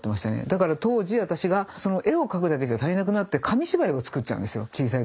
だから当時私が絵を描くだけじゃ足りなくなって紙芝居を作っちゃうんですよ小さい時に。